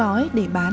rồi mới được đồng hành